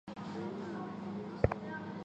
该寺庙的东面是瓦苏基纳特。